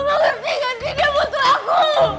ngerti gak sih dia butuh aku